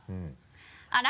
「あら？